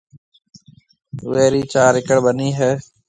اوئيَ رِي چار اِڪڙ ٻنِي ھيََََ